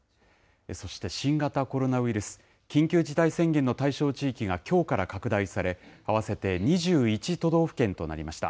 そして新型コロナウイルス、緊急事態宣言の対象地域がきょうから拡大され、合わせて２１都道府県となりました。